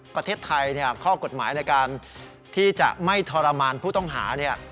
ประเทศไทยข้อกฎหมายในการที่จะไม่ทรมานผู้ต้องหา